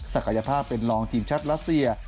กายภาพเป็นรองทีมชาติรัสเซีย